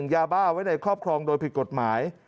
ยาบ้าไว้ในครอบครองโดยผิดกฎหมาย